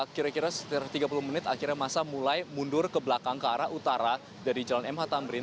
kira kira tiga puluh menit akhirnya masa mulai mundur ke belakang ke arah utara dari jalan mh tamrin